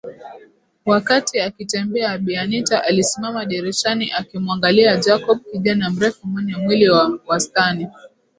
Wakati akitembea bi anita alisimama dirishani akimuangalia Jacob kijana mrefu mwenye mwili wa wastani